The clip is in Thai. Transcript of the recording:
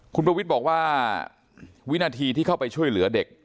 คุณประวิทย์บอกว่าวินาทีที่เข้าไปช่วยเหลือเด็ก